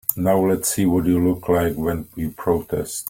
Now let's see what you look like when you protest.